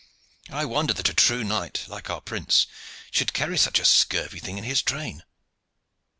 I wonder that a true knight, like our prince, should carry such a scurvy thing in his train.